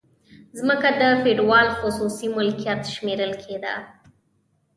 ځمکه د فیوډال خصوصي ملکیت شمیرل کیده.